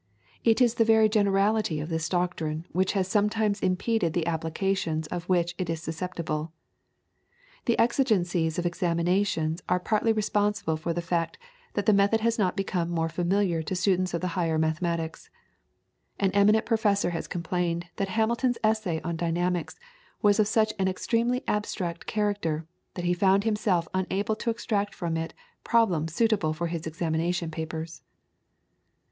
It is the very generality of this doctrine which has somewhat impeded the applications of which it is susceptible. The exigencies of examinations are partly responsible for the fact that the method has not become more familiar to students of the higher mathematics. An eminent professor has complained that Hamilton's essay on dynamics was of such an extremely abstract character, that he found himself unable to extract from it problems suitable for his examination papers.